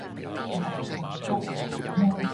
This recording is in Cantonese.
勾陳牽滯之神，朱雀文明之神